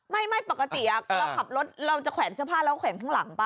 ไม่ปกติเราขับรถเราจะแขวนเสื้อผ้าแล้วแขวนข้างหลังป่